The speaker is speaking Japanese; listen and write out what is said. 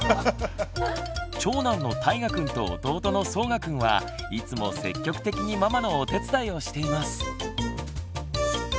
長男のたいがくんと弟のそうがくんはいつも積極的にママのお手伝いをしています。